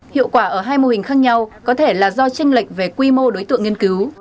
hiệu quả ở hai mô hình khác nhau có thể là do tranh lệch về quy mô đối tượng nghiên cứu